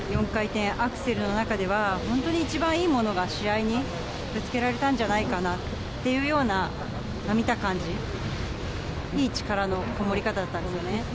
４回転アクセルの中では、本当に一番いいものが試合にぶつけられたんじゃないかなっていうような、見た感じ、いい力のこもり方だったんですよね。